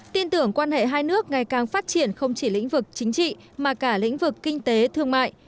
tin tưởng quan hệ hai nước ngày càng phát triển không chỉ lĩnh vực chính trị mà cả lĩnh vực kinh tế thương mại